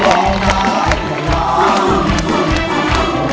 ร้องได้ให้ล้าน